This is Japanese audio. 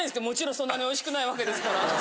もちろんそんなにおいしくないわけですから。